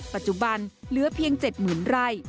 ปัจจุบันเหลือเพียง๗๐๐ไร่